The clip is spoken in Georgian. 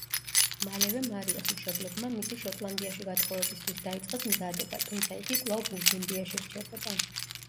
მალევე მარიას მშობლებმა მისი შოტლანდიაში გათხოვებისთვის დაიწყეს მზადება, თუმცა იგი კვლავ ბურგუნდიაში რჩებოდა.